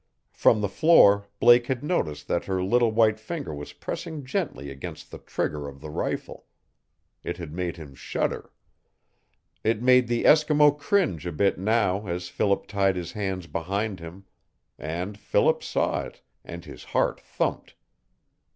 From the floor Blake had noticed that her little white finger was pressing gently against the trigger of the rifle. It had made him shudder. It made the Eskimo cringe a bit now as Philip tied his hands behind him. And Philip saw it, and his heart thumped.